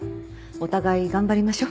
お互い頑張りましょ。